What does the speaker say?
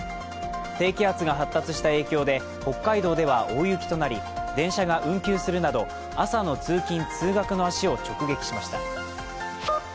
低気圧が発達した影響で北海道では大雪となり電車が運休するなど、朝の通勤・通学の足を直撃しました。